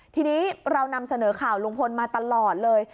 ทีนี้เรานำเสนอข่าวลุงพลมาตลอดเลย